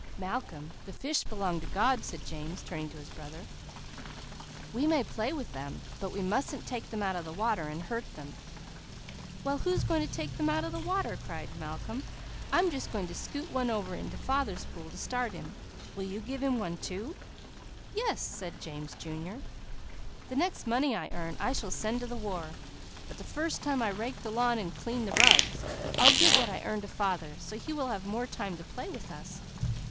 "Malcolm, the fish 'belong to God,'" said James, turning to his brother. "We may play with them, but we mustn't take them out of the water and hurt them." "Well, who's going to take them out of the water?" cried Malcolm. "I'm just going to scoot one over into father's pool to start him. Will you give him one too?" "Yes," said James Jr. "The next money I earn, I shall send to the war; but the first time I rake the lawn, and clean the rugs, I'll give what I earn to father, so he will have more time to play with us.